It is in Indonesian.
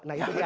nah itu dia